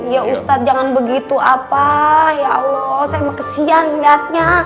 ya ustadz jangan begitu apa ya allah saya emang kesian niatnya